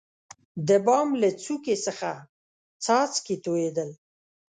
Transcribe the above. دبام له څوکي څخه څاڅکي تویدل.